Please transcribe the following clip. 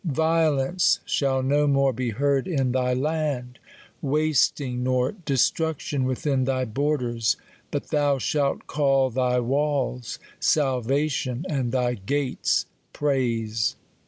"' Violence shall no more be heard in thy land ; wasting nor destruction within (hy borders : but thou shalt call thy walls Salvation, and thy gates. Praise.